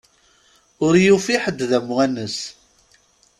Ur yufi ḥedd d amwanes.